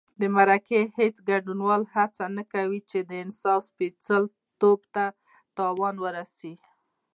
د مرکې هېڅ ګډونوال هڅه نه کوي چې د انصاف سپېڅلتوب ته تاوان ورسي.